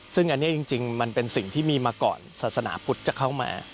ซึ่งอันนี้จริงมันเป็นสิ่งที่มีมาก่อนศาสนาพุทธจะเข้ามา